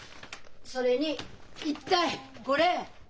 それに一体これ。